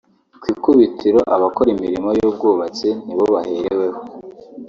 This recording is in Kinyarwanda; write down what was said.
Ku ikubitiro abakora imirimo y’ubwubatsi ni bo bahereweho